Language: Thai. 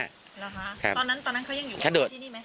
ตอนนั้นเขายังอยู่ที่นี่ไหม